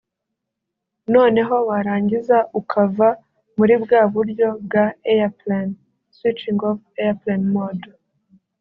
noneho warangiza ukava muri bwa buryo bwa Airplane (switching off Airplane Mode)